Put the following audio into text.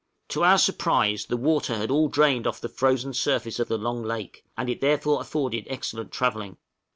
To our surprise the water had all drained off the frozen surface of the Long Lake, and it therefore afforded excellent travelling.